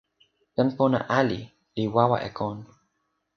jan pona ali li wawa e kon.